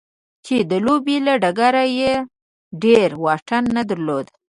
چې د لوبې له ډګره يې ډېر واټن نه درلود.